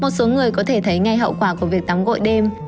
một số người có thể thấy ngay hậu quả của việc tắm gội đêm